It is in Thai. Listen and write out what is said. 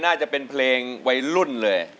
น่าจะเป็นเพลงวัยรุ่นเลย